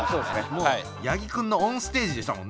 もう八木君のオンステージでしたもんね。